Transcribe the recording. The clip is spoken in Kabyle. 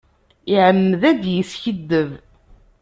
Iεemmed ad d-yeskiddeb.